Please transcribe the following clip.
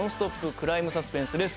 ・クライム・サスペンスです。